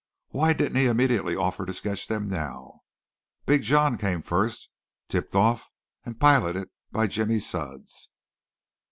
Why didn't he immediately offer to sketch them now? Big John came first, tipped off and piloted by Jimmy Sudds.